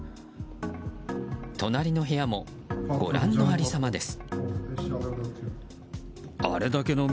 隣の部屋もご覧の有り様です。